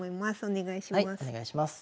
お願いします。